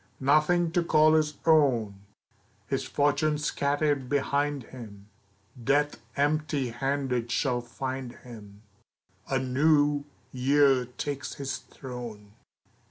Nothing to call his own! His fortune scattered behind him; Death empty handed shall find him, A New Year takes his throne.